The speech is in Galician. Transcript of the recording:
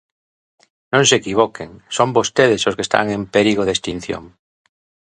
Non se equivoquen, son vostedes os que están en perigo de extinción.